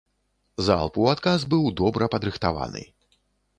Залп у адказ быў добра падрыхтаваны.